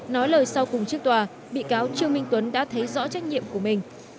nói lời sau cùng trước tòa bị cáo trương minh tuấn đã thấy rõ trách nhiệm của mình